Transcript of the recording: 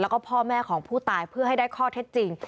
แล้วก็พ่อแม่ของผู้ตายเพื่อให้ได้ข้อเท็จจริง